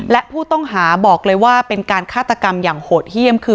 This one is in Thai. และผู้ต้องหาบอกเลยว่าเป็นการฆาตกรรมอย่างโหดเยี่ยมคือ